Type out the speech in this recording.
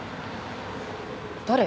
誰？